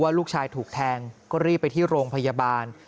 ลูกชายถูกแทงก็รีบไปที่โรงพยาบาล